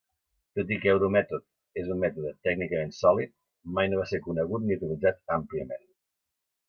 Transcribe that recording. Tot i que Euromethod és un mètode tècnicament sòlid, mai no va ser conegut ni utilitzat àmpliament.